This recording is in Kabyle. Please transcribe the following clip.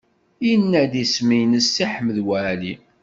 Yenna-d isem-nnes Si Ḥmed Waɛli.